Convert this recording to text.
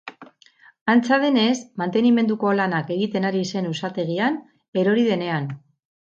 Antza denez, mantenimendu lanak egiten ari zen usategian, erori denean.